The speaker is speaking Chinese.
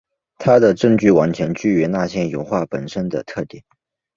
他的证据完全基于那些油画本身的特点。